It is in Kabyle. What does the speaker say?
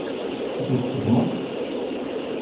Ad ten-tseggmeḍ?